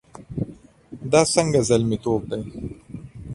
دا څنګه زلميتوب دی؟